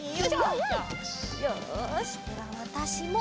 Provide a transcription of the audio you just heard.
よしではわたしも。